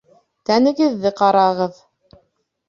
Тәнегеҙҙе ҡарағыҙ!